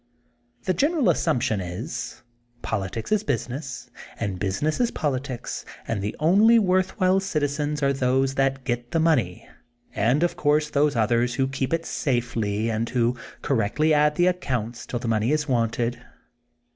*^ The general assumption is: — ^politics is busi ness and business is politics and the only Worth while citizens are those that get the money, '* and, of course, those others who keep it safely and who correctly add the ac counts till the money is wanted.